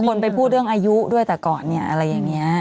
คนไปพูดเรื่องอายุด้วยแต่ก่อนเนี่ยอะไรอย่างนี้